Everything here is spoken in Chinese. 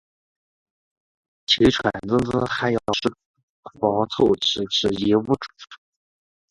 晴川历历汉阳树，芳草萋萋鹦鹉洲。